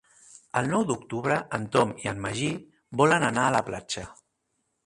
El nou d'octubre en Tom i en Magí volen anar a la platja.